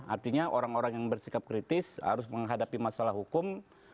artinya orang orang yang bersikap kritis harus menghadapi masalah hukum